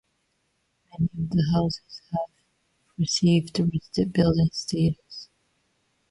Many of the houses have received listed building status.